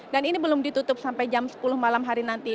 dan ini belum ditutup sampai jam sepuluh malam hari nanti